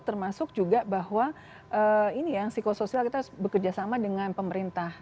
termasuk juga bahwa ini ya psikosoial kita bekerja sama dengan pemerintah